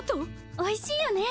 おいしいよね！